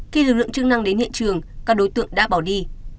khi lực lượng chức năng đến hiện trường các đối tượng đã bỏ đi